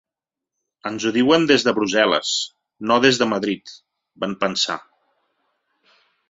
“Ens ho diuen des de Brussel·les, no des de Madrid”, van pensar.